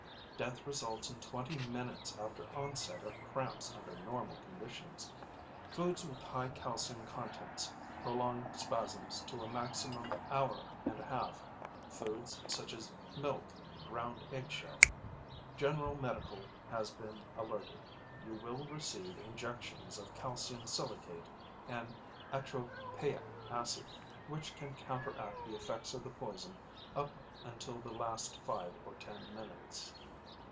Death results in twenty minutes after onset of cramps under normal conditions. Foods with high calcium contents prolong spasms to a maximum hour and a half (foods such as milk, ground egg shell). General Medical has been alerted. There you will receive injections of Calcium Silicate and Atropayic Acid which can counteract the effects of the poison up until the last five or ten minutes.